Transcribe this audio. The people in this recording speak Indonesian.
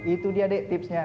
itu dia deh tipsnya